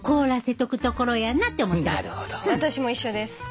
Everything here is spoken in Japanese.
私も一緒です。